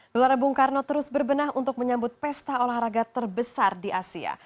gelora bung karno terus berbenah untuk menyambut pesta olahraga terbesar di asia